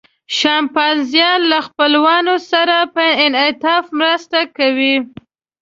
شامپانزیان له خپلوانو سره په انعطاف مرسته کوي.